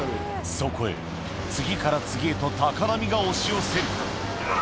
そこへ次から次へと高波が押し寄せるうわ！